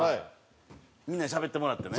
みんなでしゃべってもらってね。